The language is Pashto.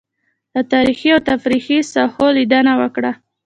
له تاريخي او تفريحي ساحو لېدنه وکړه.